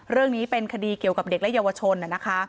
เรื่องนี้เป็นคดีเกี่ยวกับเด็กและเยาวชนนะคะ